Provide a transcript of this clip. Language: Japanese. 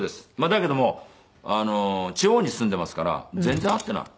だけども地方に住んでいますから全然会っていない。